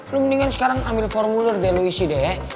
lo mendingan sekarang ambil formulir deh lo isi deh